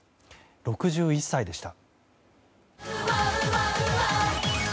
６１歳でした。